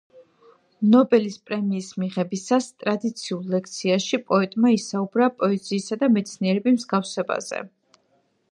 ნობელის პრემიის მიღებისას, ტრადიციულ ლექციაში, პოეტმა ისაუბრა პოეზიისა და მეცნიერების მსგავსებაზე.